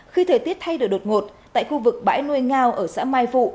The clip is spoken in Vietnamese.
khi thời tiết thay đổi đột ngột tại khu vực bãi nuôi ngao ở xã mai phụ